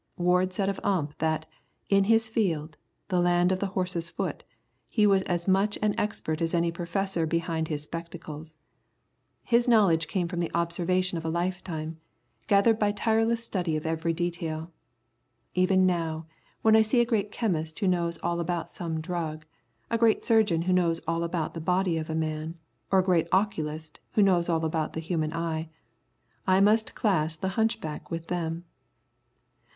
Ward said of Ump that, in his field, the land of the horse's foot, he was as much an expert as any professor behind his spectacles. His knowledge came from the observation of a lifetime, gathered by tireless study of every detail. Even now, when I see a great chemist who knows all about some drug; a great surgeon who knows all about the body of a man; or a great oculist who knows all about the human eye, I must class the hunchback with them.